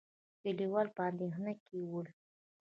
کليوال په اندېښنه کې ول.